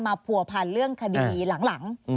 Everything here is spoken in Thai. มาผัวผ่านเรื่องคดีหลัง